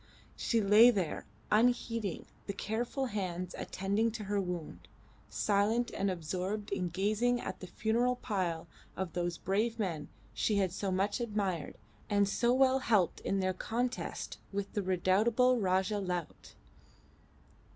She lay there unheeding the careful hands attending to her wound, silent and absorbed in gazing at the funeral pile of those brave men she had so much admired and so well helped in their contest with the redoubtable "Rajah Laut."